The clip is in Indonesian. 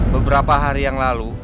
beberapa hari yang lalu